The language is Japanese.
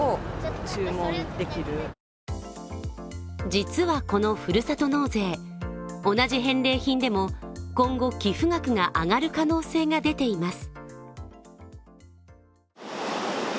実はこのふるさと納税、同じ返礼品でも今後、寄付額が上がる可能性が出ています。